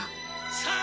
さあ